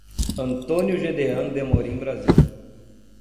Antônio Jedean de Amorim Brasil